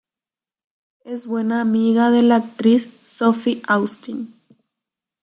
Es buena amiga de la actriz Sophie Austin.